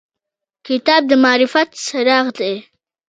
کتاب د معرفت څراغ دی.